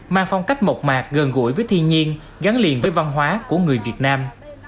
mang phong cách mộc mạc gần gũi với thiên nhiên gắn liền với văn hóa của người việt nam